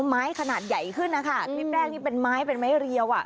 ไม้ขนาดใหญ่ขึ้นนะคะคลิปแรกนี่เป็นไม้เป็นไม้เรียวอ่ะ